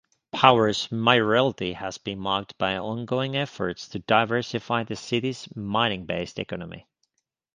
Power's mayoralty has been marked by ongoing efforts to diversify the city's mining-based economy.